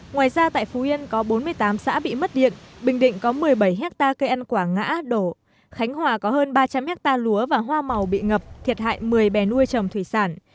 ngoài ra tại phú yên có bốn mươi tám xã bị mất điện bình định có một mươi bảy hectare cây ăn quả ngã đổ khánh hòa có hơn ba trăm linh hectare lúa và hoa màu bị ngập thiệt hại một mươi bè nuôi trồng thủy sản